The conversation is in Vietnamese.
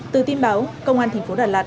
từ tin báo công an tp đà lạt